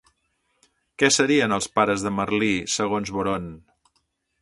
Què serien els pares de Merlí segons Boron?